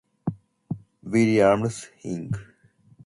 Williams, Inc.